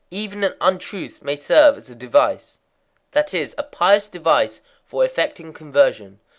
_ Even an untruth may serve as a device. That is, a pious device for effecting conversion.